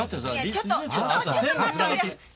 いやちょっとちょっと待っておくれやす。